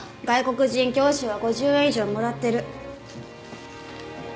外国人教師は５０円以上もらってる。